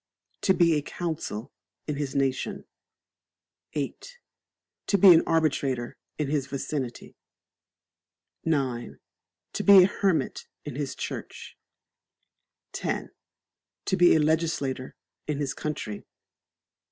To be a council in his nation. viii. To be an arbitrator in his vicinity. ix. To be a hermit in his church. x. To be a legislator in his country.